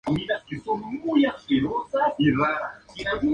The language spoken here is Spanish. Tras la firma de los Convenios de Zavaleta regresó a su cargo.